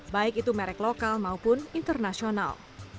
baik itu merek lokal maupun internasional